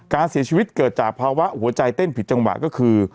การเสียชีวิตเกิดจากภาวะหัวใจเต้นผิดจังหวะก็คือ